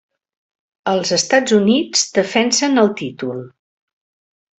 Els Estats Units defensen el títol.